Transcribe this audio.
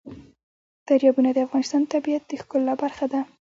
دریابونه د افغانستان د طبیعت د ښکلا برخه ده.